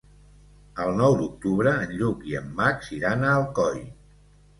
El nou d'octubre en Lluc i en Max iran a Alcoi.